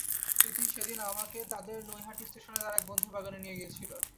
সুধীর সেদিন আমাকে তাদের নৈহাটি স্টেশনে তার এক বন্ধুর বাগানে নিয়ে গিয়েছিল।